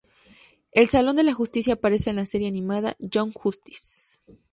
El Salón de la Justicia aparece en la serie animada "Young Justice".